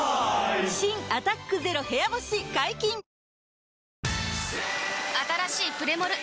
新「アタックＺＥＲＯ部屋干し」解禁‼あたらしいプレモル！